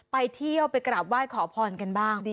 ไปเที่ยวไปกราบไหว้ขอพรกันบ้าง